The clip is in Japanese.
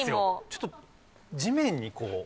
ちょっと地面にこう。